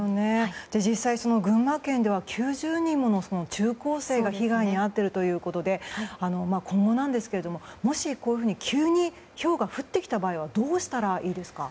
実際、群馬県では９０人もの中高生が被害に遭っているということで今後なんですがもし、こういうふうに急にひょうが降ってきた場合はどうしたらいいですか？